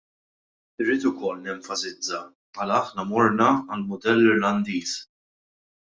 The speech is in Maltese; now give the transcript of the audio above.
Irrid ukoll nenfasizza għala aħna morna għall-mudell Irlandiż.